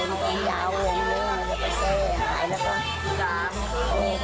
โอ้โฮหลวงพ่อมาโปรด